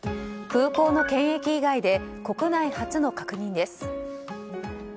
空港の検疫以外で国内初の確認です。